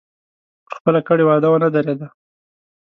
پر خپله کړې وعده ونه درېدی.